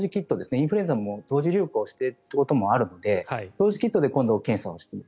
インフルエンザも同時流行しているというところもあるので同時キットで今度は検査をしてみる。